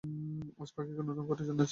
আজ পাখিকে নতুন করে জানছি এ কথায় লোকে হাসছে।